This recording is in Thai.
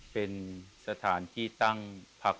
เป็นสถานที่ตั้งพัก